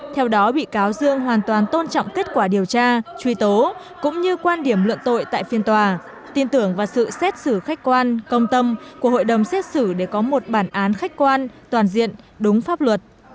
theo đó bị cáo dương hoàn toàn tôn trọng kết quả điều tra truy tố cũng như quan điểm luận tội tại phiên tòa tin tưởng vào sự xét xử khách quan công tâm của hội đồng xét xử để có một bản án khách quan toàn diện đúng pháp luật